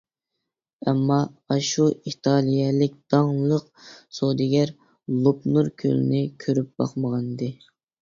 ئەمما، ئاشۇ ئىتالىيەلىك داڭلىق سودىگەر لوپنور كۆلىنى كۆرۈپ باقمىغانىدى.